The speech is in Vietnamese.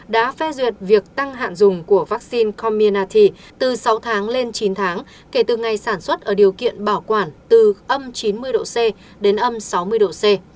đã phê duyệt việc tăng hạn dùng của vaccine comminati từ sáu tháng lên chín tháng kể từ ngày sản xuất ở điều kiện bảo quản từ âm chín mươi độ c đến âm sáu mươi độ c